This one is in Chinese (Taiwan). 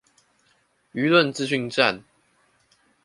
輿論資訊戰